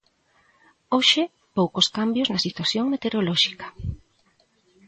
Hoxe, poucos cambios na situación meteorolóxica.